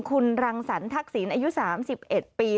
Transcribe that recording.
คุณรังสรรทักษิณอายุ๓๑ปี